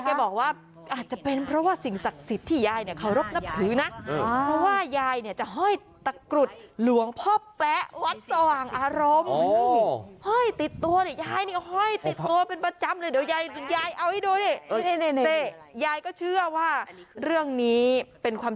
ยายก็บอกว่าอาจจะเป็นเพราะว่าสิ่งศักดิ์สิทธิ์ที่ยายเนี้ยขอรบนับ